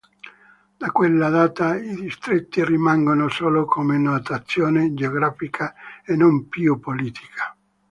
Da quella data i distretti rimangono solo come notazione geografica e non più politica.